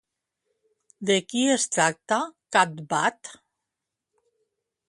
De qui es tracta Cathbad?